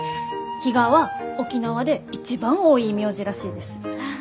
「比嘉」は沖縄で一番多い名字らしいです。